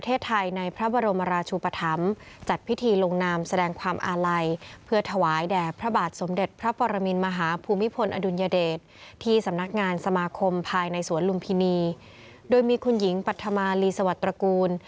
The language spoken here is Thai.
ที่สำนักงานสมาคมภายในสวรรค์ลุมพินีโดยมีคุณหญิงปัฒนาลีสวรรค์ตระกูล